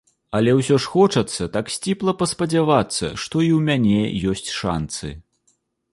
Але ўсё ж хочацца так сціпла паспадзявацца, што і ў мяне ёсць шанцы.